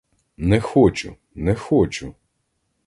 Не хочу, не хочу!